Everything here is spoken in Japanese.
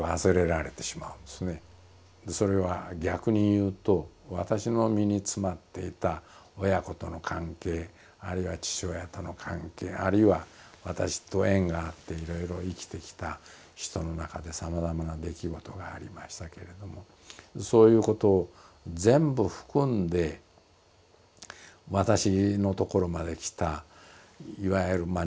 それは逆にいうと私の身に詰まっていた親子との関係あるいは父親との関係あるいは私と縁があっていろいろ生きてきた人の中でさまざまな出来事がありましたけれどもそういうことを全部含んで私のところまで来たいわゆるまあ